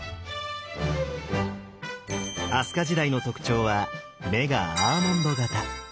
飛鳥時代の特徴は目がアーモンド形。